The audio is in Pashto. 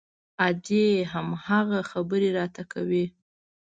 ادې هم هماغه خبرې راته کوي.